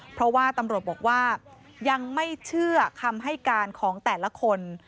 เพราะว่าตำรวจบอกว่ายังไม่เชื่อคำให้การของแต่ละคน